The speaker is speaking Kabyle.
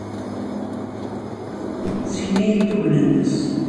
Ssken-iyi-d tugna-nnes.